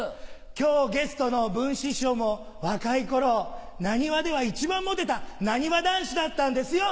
今日ゲストの文枝師匠も若い頃浪速では一番モテたなにわ男子だったんですよ